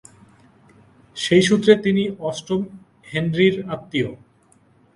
সেই সূত্রে তিনি অষ্টম হেনরির আত্মীয়।